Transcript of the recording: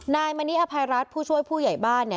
นายมณิอภัยรัฐผู้ช่วยผู้ใหญ่บ้านเนี่ย